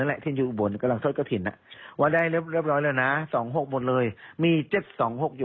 และไม่แรงแมน